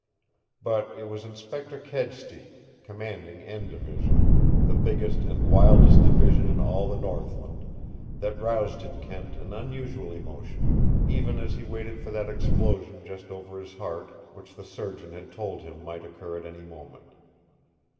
But it was Inspector Kedsty, commanding N Division, the biggest and wildest division in all the Northland, that roused in Kent an unusual emotion, even as he waited for that explosion just over his heart which the surgeon had told him might occur at any moment.